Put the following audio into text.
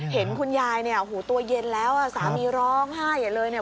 เห็นคุณยายเนี่ยหูตัวเย็นแล้วสามีร้องไห้ใหญ่เลยเนี่ย